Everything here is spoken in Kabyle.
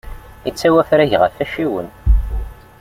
Ittawi afrag ɣef acciwen.